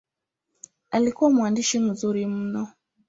Alikuwa mwandishi mzuri mno.